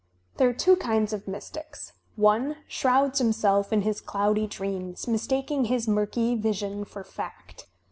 There are two kinds of mystics. One shrouds himself in his cloudy dreams, mistaking his murky vision for fact.